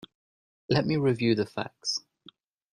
Let me review the facts.